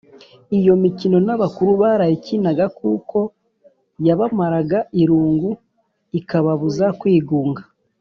iyo mikino n’abakuru barayikinaga kuko yabamaraga irungu ikababuza kwigunga.